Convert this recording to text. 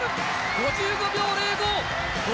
５５秒０５。